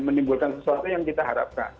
menimbulkan sesuatu yang kita harapkan